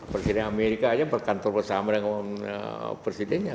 presiden amerika aja berkantor bersama dengan presidennya